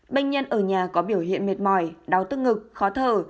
bệnh nhân ở nhà có biểu hiện mệt mỏi đau tức ngực khó thở